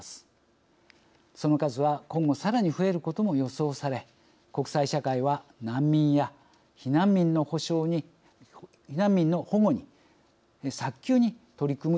その数は今後さらに増えることも予想され国際社会は難民や避難民の保護に早急に取り組む必要があります。